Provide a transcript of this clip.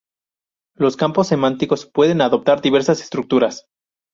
Los campos semánticos pueden adoptar diversas estructuras.